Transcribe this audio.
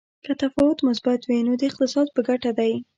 که تفاوت مثبت وي نو د اقتصاد په ګټه دی.